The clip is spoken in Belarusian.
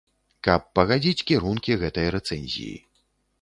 Каб пагадзіць кірункі гэтай рэцэнзіі.